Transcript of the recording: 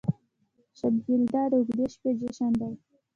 شب یلدا د اوږدې شپې جشن دی.